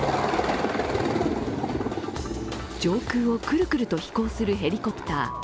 上空をくるくると飛行するヘリコプター。